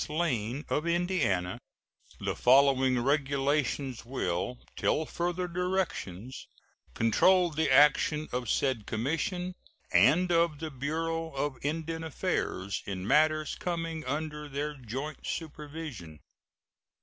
Lane, of Indiana, the following regulations will till further directions control the action of said commission and of the Bureau of Indian Affairs in matters coming under their joint supervision: 1.